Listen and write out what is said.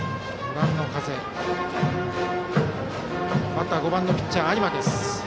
バッターは５番ピッチャー、有馬です。